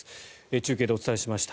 中継でお伝えしました。